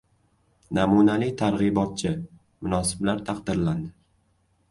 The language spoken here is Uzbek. “Namunali targ‘ibotchi”: munosiblar taqdirlandi